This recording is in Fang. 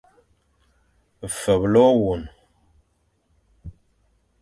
Feble ôwôn.